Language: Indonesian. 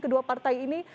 kedua partai ini